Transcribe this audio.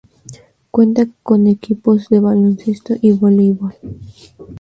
Cuenta con equipos de baloncesto y voleibol.